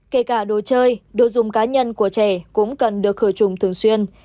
kể cả đồ chơi đồ dùng cá nhân của trẻ cũng cần được khởi trùng thường xuyên